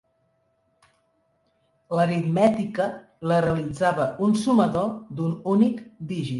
L'aritmètica la realitzava un sumador d'un únic dígit.